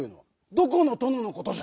どこのとののことじゃ？